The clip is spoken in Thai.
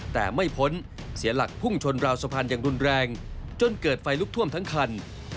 แต่ไม่พ้นเสียหลักพุ่งชนราวสะพานอย่างรุนแรงจนเกิดไฟลุกท่วมทั้งคัน